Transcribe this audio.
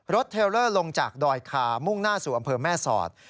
เทลเลอร์ลงจากดอยคามุ่งหน้าสู่อำเภอแม่สอด